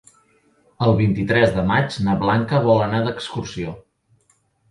El vint-i-tres de maig na Blanca vol anar d'excursió.